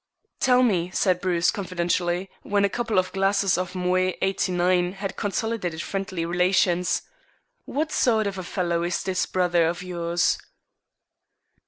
"Tell me," said Bruce confidentially, when a couple of glasses of Moët '89 had consolidated friendly relations, "what sort of a fellow is this brother of yours?"